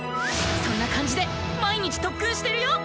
そんな感じで毎日特訓してるよ！